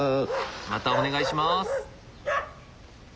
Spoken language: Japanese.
またお願いします。